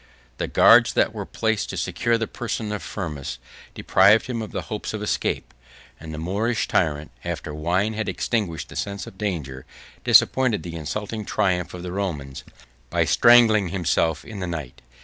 The guards that were placed to secure the person of Firmus deprived him of the hopes of escape; and the Moorish tyrant, after wine had extinguished the sense of danger, disappointed the insulting triumph of the Romans, by strangling himself in the night.